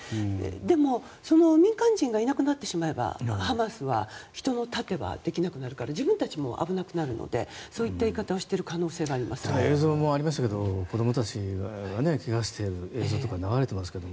でも、民間人がいなくなってしまえばハマスは人の盾はできなくなるから自分たちも危なくなるのでそういった言い方をしているただ映像にもありましたが子供たちがけがをしている映像とか流れてますけど。